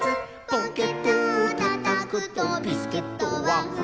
「ポケットをたたくとビスケットはふたつ」